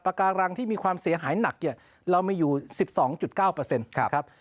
ปากาหลังที่มีความเสียหายหนักเรามาอยู่๑๒๙ครับ